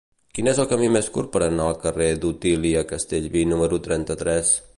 Quin és el camí més curt per anar al carrer d'Otília Castellví número trenta-tres?